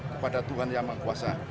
kepada tuhan yang mengkuasa